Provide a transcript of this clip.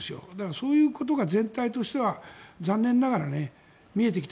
そういうことが全体としては残念ながら見えてきた。